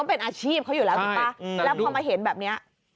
เป็นอาชีพเขาอยู่แล้วถูกป่ะแล้วพอมาเห็นแบบนี้